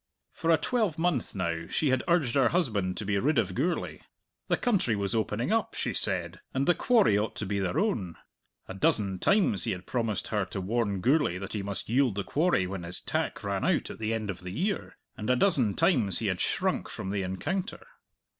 For a twelvemonth now she had urged her husband to be rid of Gourlay. The country was opening up, she said, and the quarry ought to be their own. A dozen times he had promised her to warn Gourlay that he must yield the quarry when his tack ran out at the end of the year, and a dozen times he had shrunk from the encounter.